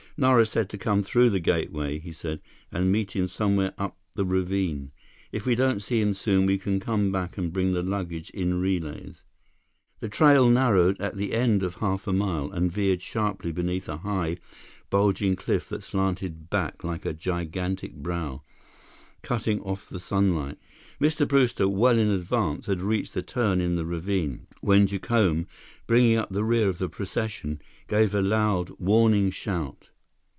"Nara said to come through the gateway," he said, "and meet him somewhere up the ravine. If we don't see him soon, we can come back and bring the luggage in relays." The trail narrowed at the end of half a mile and veered sharply beneath a high, bulging cliff that slanted back like a gigantic brow, cutting off the sunlight. Mr. Brewster, well in advance, had reached the turn in the ravine, when Jacome, bringing up the rear of the procession, gave a loud, warning shout.